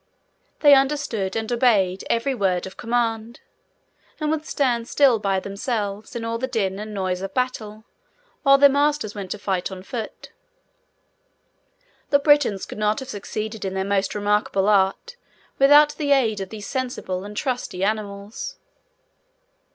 They understood, and obeyed, every word of command; and would stand still by themselves, in all the din and noise of battle, while their masters went to fight on foot. The Britons could not have succeeded in their most remarkable art, without the aid of these sensible and trusty animals.